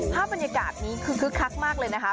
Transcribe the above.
ภาพบรรยากาศนี้คือคึกคักมากเลยนะคะ